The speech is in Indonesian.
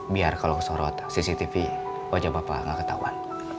biar kalau sorot cctv wajah bapak gak ketahuan